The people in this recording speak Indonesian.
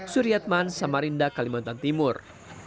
suriatman samarinda kalimantan timur